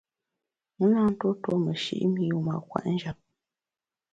Wu na ntuo tuo meshi’ mi wu mâ kwet njap.